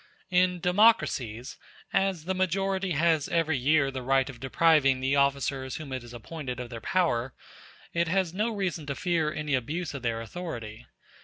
In democracies, as the majority has every year the right of depriving the officers whom it has appointed of their power, it has no reason to fear any abuse of their authority.